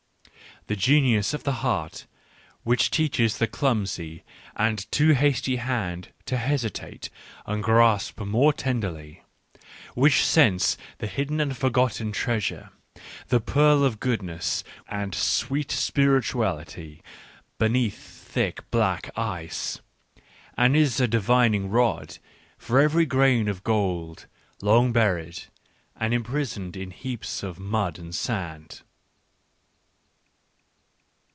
... The genius of the heart which teaches the clumsy and too hasty hand to hesitate and grasp more tenderly ; which scents the hidden and forgotten treasure, the pearl of goodness and sweet spiritual ity, beneath thick black ice, and is a divining rod for every grain of gold, long buried and imprisoned in heaps of mud and sand.